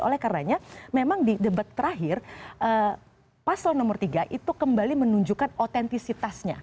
oleh karenanya memang di debat terakhir pasal nomor tiga itu kembali menunjukkan otentisitasnya